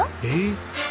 えっ？